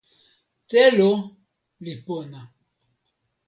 telo li pona.